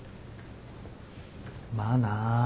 まあな。